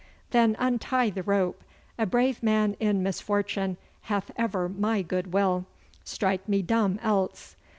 'Then untie the rope. A brave man in misfortune hath ever my goodwill, strike me dumb else!